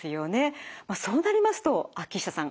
そうなりますと秋下さん